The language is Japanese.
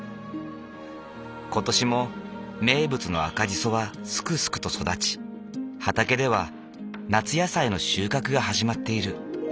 今年も名物の赤じそはすくすくと育ち畑では夏野菜の収穫が始まっている。